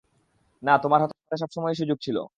না, তোমার হাতে সবসময়ই সুযোগ ছিল।